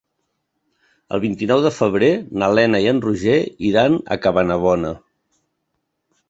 El vint-i-nou de febrer na Lena i en Roger iran a Cabanabona.